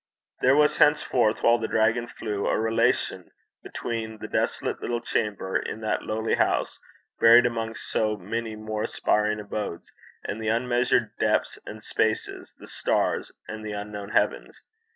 There was henceforth, while the dragon flew, a relation between the desolate little chamber, in that lowly house buried among so many more aspiring abodes, and the unmeasured depths and spaces, the stars, and the unknown heavens.